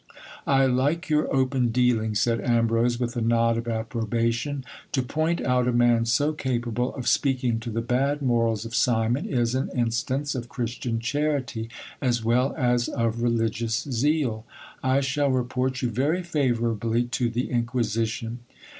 I like your open dealing, said Ambrose with a nod of approbation. To point out a man so capable of speaking to the bad morals of Simon, is an instance of Christian charity as well as of religious zeal. I shall report you very favourably to the inquisition.